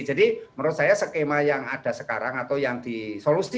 jadi menurut saya skema yang ada sekarang atau yang disolusi